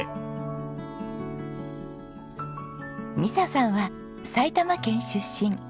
美砂さんは埼玉県出身。